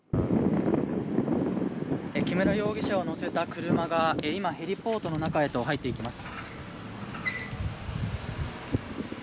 木村容疑者を乗せた車が今、ヘリポートの中へと入っていきます。